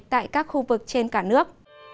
tại các khu vực trên cả nước